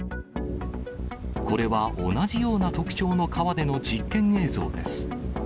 これは同じような特徴の川での実験映像です。